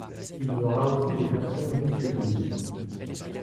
Il y aura aussi des versions disques vinyles.